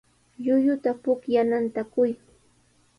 Llulluta pukllananta quy.